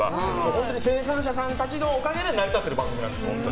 本当に生産者たちののおかげで成り立っている番組なんです。